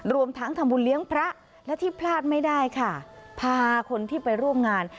รวมทั้งทำบุญเลี้ยงพระและที่พลาดไม่ได้ค่ะพาคนที่ไปร่วมงาน